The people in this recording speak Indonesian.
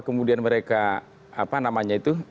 kemudian mereka apa namanya itu